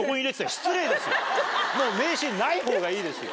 もう名刺ない方がいいですよ。